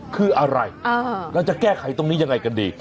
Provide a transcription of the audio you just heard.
คืออะไรเราจะแก้ไขตรงนี้ยังไงกันดี